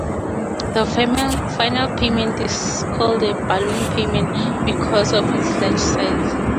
The final payment is called a "balloon payment" because of its large size.